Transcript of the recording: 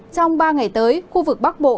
trong ba ngày tới khu vực bắc bộ